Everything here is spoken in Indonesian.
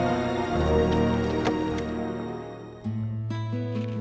gak usah lo nyesel